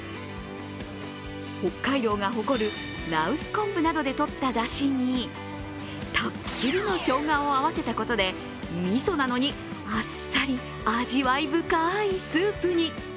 北海道が誇る羅臼昆布などでとっただしにたっぷりのしょうがを合わせたことで、みそなのにあっさり味わい深いスープに。